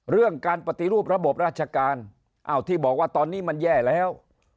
เรื่องการปฏิรูประบบราชการอ้าวที่บอกว่าตอนนี้มันแย่แล้ว